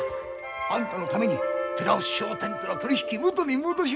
あんたのために寺内商店との取り引き元に戻しまひょ！